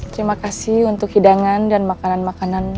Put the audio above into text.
terima kasih untuk hidangan dan makanan makanan